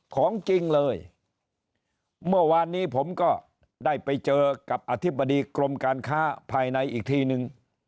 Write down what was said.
ของจริงเลยเมื่อวานนี้ผมก็ได้ไปเจอกับอธิบดีกรมการค้าภายในอีกทีนึง